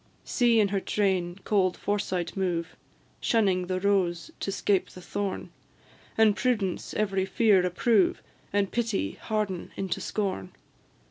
See in her train cold Foresight move, Shunning the rose to 'scape the thorn; And Prudence every fear approve, And Pity harden into scorn!